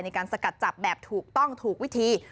ในการสกัดจับแบบถูกต้องถูกวิธี